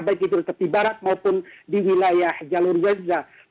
baik di depan barat maupun di wilayah jalur gaza